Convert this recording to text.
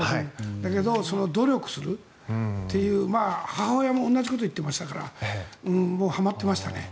だけど、努力するという母親も同じこと言っていましたからはまってましたね。